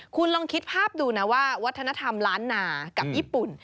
คุณลองคิดภาพดูนะว่าวัฒนธรรมล้านนากับญี่ปุ่น